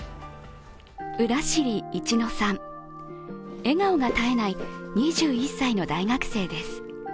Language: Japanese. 浦尻一乃さん、笑顔が絶えない２１歳の大学生です。